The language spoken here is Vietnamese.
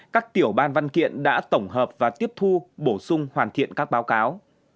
các tiểu ban văn kiện đã tổng hợp và tiếp thu bổ sung hoàn thiện các báo cáo